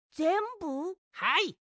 はい。